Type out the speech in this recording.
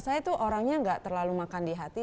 saya tuh orangnya gak terlalu makan di hati